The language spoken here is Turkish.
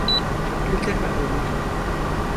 Güldürme beni!